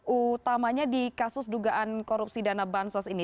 utamanya di kasus dugaan korupsi dana bansos ini